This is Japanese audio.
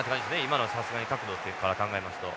今のはさすがに角度から考えますと。